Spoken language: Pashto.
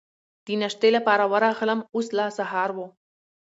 د ناشتې لپاره ورغلم، اوس لا سهار و.